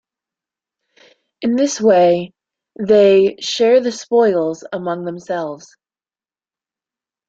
In this way, they "share the spoils" among themselves.